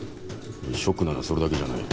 ショックなのはそれだけじゃない。